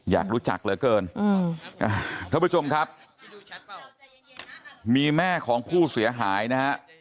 อยากรู้จักเหลือเกิน